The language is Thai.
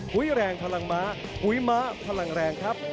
แรงพลังม้าหุยม้าพลังแรงครับ